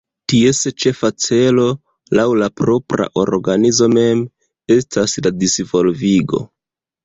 Ties ĉefa celo, laŭ la propra organizo mem, estas la disvolvigo.